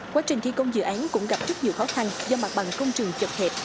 quá trình thi công dự án cũng gặp rất nhiều khó khăn do mặt bằng công trường chập hẹp